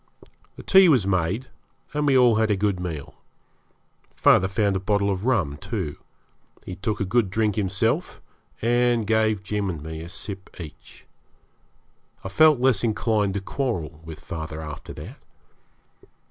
The tea was made, and we all had a good meal. Father found a bottle of rum, too; he took a good drink himself, and gave Jim and me a sip each. I felt less inclined to quarrel with father after that.